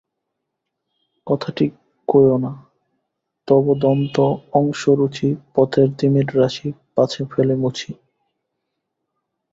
কথাটি কোয়ো না, তব দন্ত-অংশুরুচি পথের তিমিররাশি পাছে ফেলে মুছি।